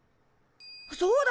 そうだ！